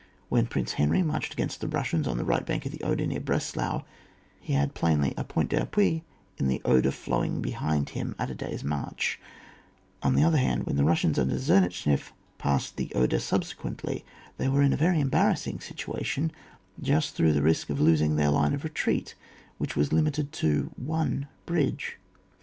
When Prince Henry marched against the Russians on the right bank of the Oder near Breslau, he had plainly a point d^appui in the Oder flowing behind him at a day's march ; on the other hand, when the Kussians under Cznernitschef passed the Oder subsequently, they were in a very embarrassing situation^ just through the risk of losing their line of re treat, which was limited to one bridge.